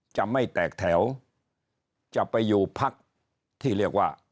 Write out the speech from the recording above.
จะไม่แตกแถวจะไปอยู่พักที่เรียกว่า